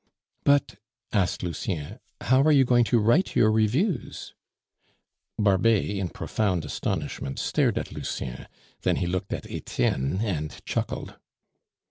"But," asked Lucien, "how are you going to write your reviews?" Barbet, in profound astonishment, stared at Lucien; then he looked at Etienne and chuckled.